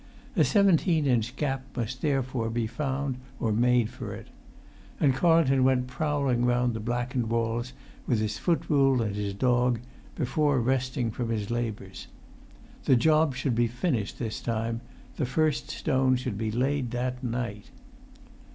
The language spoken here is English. A seventeen inch gap must therefore be found or made for it. And Carlton went prowling round the blackened walls, with his foot rule and his dog, before resting from his labours. The job should be finished this time, the first stone should be laid that night.